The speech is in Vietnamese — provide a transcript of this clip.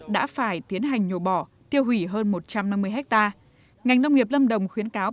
đã phải tiến hành nhổ bỏ tiêu hủy hơn một trăm năm mươi ha ngành nông nghiệp lâm đồng khuyến cáo